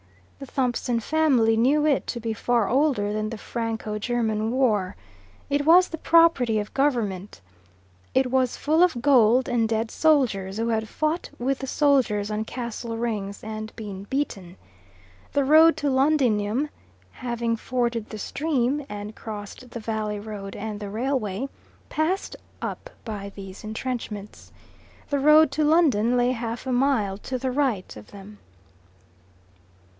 The Thompson family knew it to be far older than the Franco German war. It was the property of Government. It was full of gold and dead soldiers who had fought with the soldiers on Castle Rings and been beaten. The road to Londinium, having forded the stream and crossed the valley road and the railway, passed up by these entrenchments. The road to London lay half a mile to the right of them.